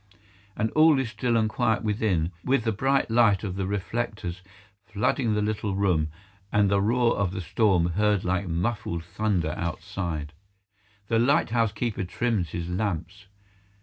All is still and quiet within, with the bright light of the reflectors flooding the little room, and the roar of the storm heard like muffled thunder outside. The lighthouse keeper trims his lamps.